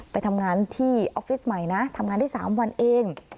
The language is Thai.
ไปทำงานที่ออฟฟิศใหม่นะทำงานได้๓วันเอง